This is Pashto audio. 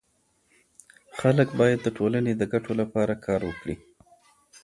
خلګ باید د ټولني د ګټو لپاره کار وکړي.